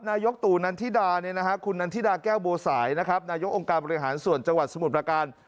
นายกตู่นันทิดาคุณนันทิดาแก้วบัวสายนะครับนายกองค์การบริหารส่วนจังหวัดสมุทรประการ